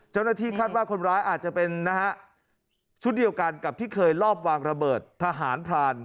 เจ้าหน้าที่คาดว่าคนร้ายอาจจะเป็นนะฮะชุดเดียวกันกับที่เคยรอบวางระเบิดทหารพราน